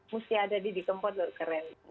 mesti ada didi kempot loh keren